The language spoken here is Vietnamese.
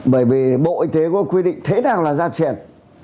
bởi vì bộ y tế quy định thế nào là gia truyền